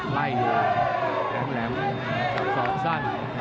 ไล่เหลือแหลมสอนสั้น